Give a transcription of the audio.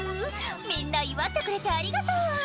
「みんな祝ってくれてありがとう」